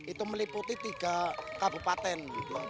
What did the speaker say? itu meliputi tiga kabupaten